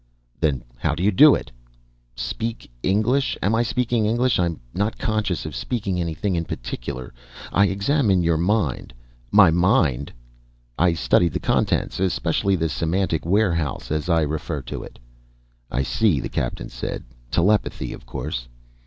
"Then how do you do it?" "Speak English? Am I speaking English? I'm not conscious of speaking anything in particular. I examined your mind " "My mind?" "I studied the contents, especially the semantic warehouse, as I refer to it " "I see," the Captain said. "Telepathy. Of course."